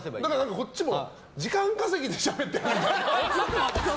こっちも時間稼ぎでしゃべってる。